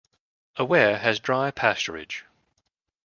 Aware has dry pasturage.